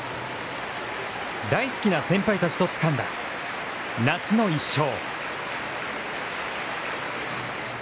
大好きな先輩たちとつかんだ夏の一勝。